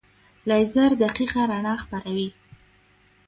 لیزر دقیقه رڼا خپروي.